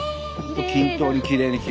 均等にきれいに切られるね。